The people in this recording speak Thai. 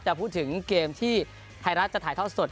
พูดถึงเกมที่ไทยรัฐจะถ่ายทอดสด